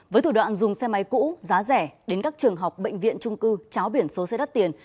với thủ đoạn dùng xe máy cũ giá rẻ đến các trường học bệnh viện trung cư cháo biển số xe đắt tiền